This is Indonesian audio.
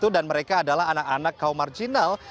dan mereka adalah anak anak kaum marginal